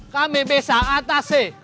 kami bisa atasi